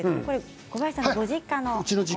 小林さんのご実家の。